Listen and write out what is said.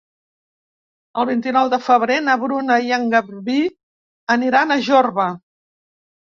El vint-i-nou de febrer na Bruna i en Garbí aniran a Jorba.